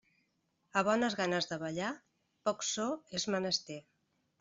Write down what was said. A bones ganes de ballar, poc so és menester.